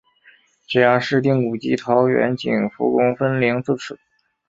直辖市定古迹桃园景福宫分灵自此。